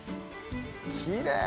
きれい！